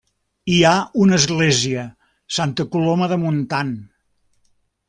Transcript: Hi ha una església, Santa Coloma de Montan.